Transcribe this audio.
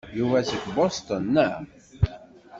Yuba seg Boston, naɣ?